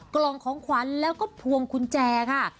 กล่องของขวัญแล้วก็พวงกุญแจค่ะ